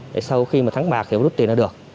để sau khi mà thắng bạc thì đốt tiền là được